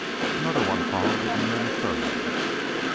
Another one followed it, and then a third.